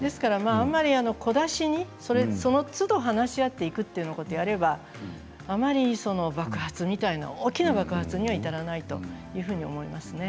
あまりそのつど話し合っていくということをすれば、あまり爆発みたいなもの大きな爆発には至らないと思いますね。